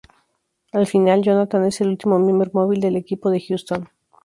Al final, Jonathan es el último miembro móvil del equipo de Houston.